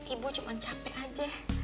ibu cuma capek aja